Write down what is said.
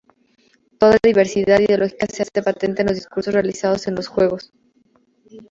Toda la diversidad ideológica se hace patente a los discursos realizados en los juegos.